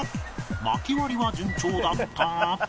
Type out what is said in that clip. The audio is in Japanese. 薪割りは順調だったが